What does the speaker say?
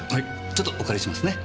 ちょっとお借りしますね。